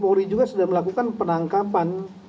dari pohori juga sedang melakukan penangkapan